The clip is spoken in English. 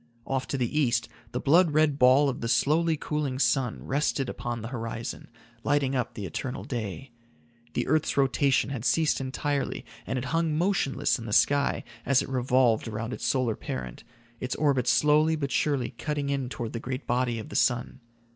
Off to the east the blood red ball of the slowly cooling sun rested upon the horizon, lighting up the eternal day. The earth's rotation had ceased entirely, and it hung motionless in the sky as it revolved around its solar parent, its orbit slowly but surely cutting in toward the great body of the sun.